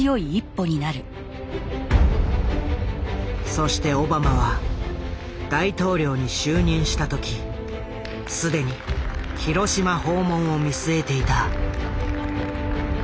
そしてオバマは大統領に就任した時既に広島訪問を見据えていた。